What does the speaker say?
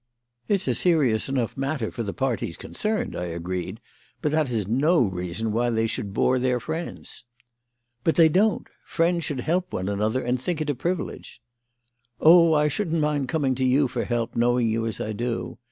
"It's a serious enough matter for the parties concerned," I agreed; "but that is no reason why they should bore their friends." "But they don't. Friends should help one another and think it a privilege." "Oh, I shouldn't mind coming to you for help, knowing you as I do.